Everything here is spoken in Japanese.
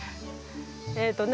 えっとね